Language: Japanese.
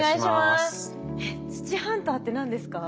えっ土ハンターって何ですか？